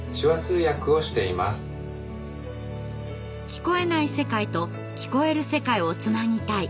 聞こえない世界と聞こえる世界をつなぎたい。